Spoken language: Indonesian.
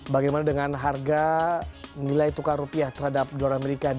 bagaimana dengan harga nilai tukar rupiah terhadap dolar amerika